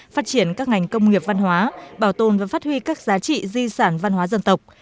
phát triển các ngành công nghiệp văn hóa bảo tồn và phát huy các giá trị di sản văn hóa dân tộc